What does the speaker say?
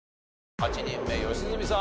８人目良純さん